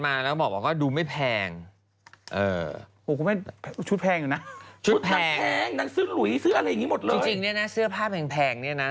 จริงเนี่ยนะเสื้อผ้าแพงเนี่ยนะ